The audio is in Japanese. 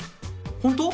本当？